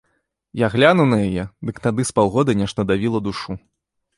Я глянуў на яе, дык тады з паўгода нешта давіла душу.